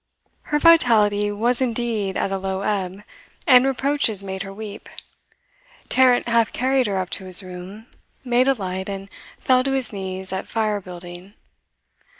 Her vitality was indeed at a low ebb, and reproaches made her weep. Tarrant half carried her up to his room, made a light, and fell to his knees at fire building.